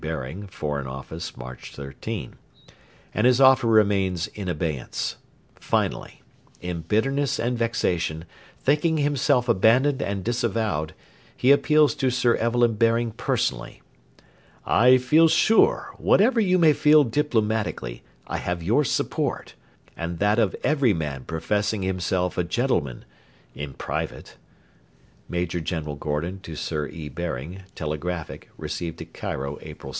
Baring, Foreign Office, March 13.] and his offer remains in abeyance. Finally, in bitterness and vexation, thinking himself abandoned and disavowed, he appeals to Sir Evelyn Baring personally: 'I feel sure, whatever you may feel diplomatically, I have your support and that of every man professing himself a gentleman in private'; [Major General Gordon to Sir E. Baring (telegraphic), received at Cairo April 16.